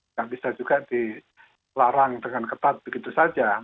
yang bisa juga dilarang dengan ketat begitu saja